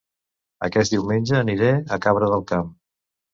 Aquest diumenge aniré a Cabra del Camp